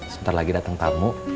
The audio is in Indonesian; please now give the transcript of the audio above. sebentar lagi datang tamu